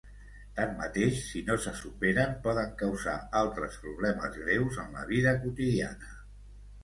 Tanmateix, si no se superen, poden causar altres problemes greus en la vida quotidiana.